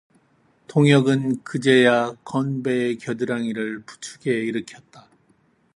동혁은 그제야 건배의 겨드랑이를 부축 해 일으켰다.